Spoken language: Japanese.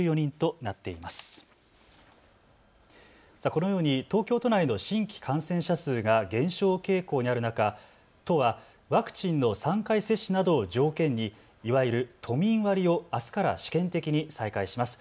このように東京都内の新規感染者数が減少傾向にある中、都はワクチンの３回接種などを条件にいわゆる都民割をあすから試験的に再開します。